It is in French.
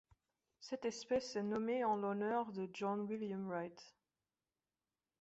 Cette espèce est nommée en l'honneur de John William Wright.